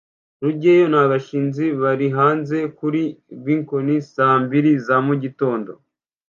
rugeyo na gashinzi bari hanze kuri bkoni saa mbiri za mugitondo